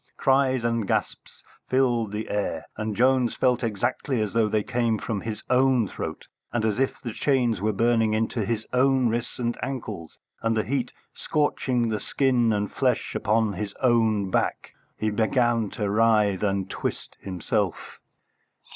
Cries and gasps filled the air, and Jones felt exactly as though they came from his own throat, and as if the chains were burning into his own wrists and ankles, and the heat scorching the skin and flesh upon his own back. He began to writhe and twist himself.